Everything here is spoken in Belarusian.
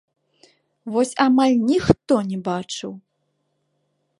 Вось амаль ніхто не бачыў.